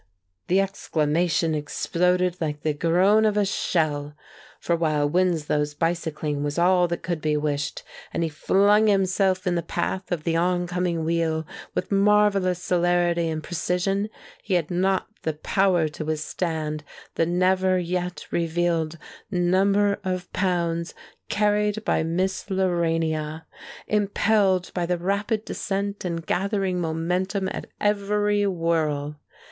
_" The exclamation exploded like the groan of a shell. For while Winslow's bicycling was all that could be wished, and he flung himself in the path of the on coming wheel with marvellous celerity and precision, he had not the power to withstand the never yet revealed number of pounds carried by Miss Lorania, impelled by the rapid descent and gathering momentum at every whirl.